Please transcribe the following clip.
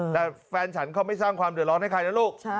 แต่แฟนฉันเขาไม่สร้างความเดือดร้อนให้ใครนะลูก